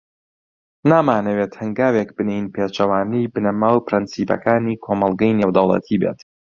نامانەوێت هەنگاوێک بنێین، پێچەوانەوەی بنەما و پرەنسیپەکانی کۆمەڵگەی نێودەوڵەتی بێت.